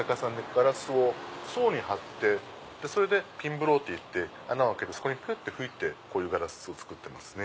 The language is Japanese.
ガラスを層に張ってそれでピンブローっていって穴を開けてそこフッて吹いてこういうガラスを作ってますね。